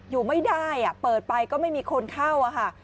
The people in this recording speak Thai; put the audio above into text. อยู่ไม่ได้เปิดไปก็ไม่มีคนเข้าค่ะ